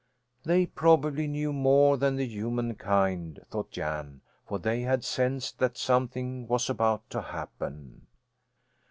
They probably knew more than the human kind, thought Jan, for they had sensed that something was about to happen.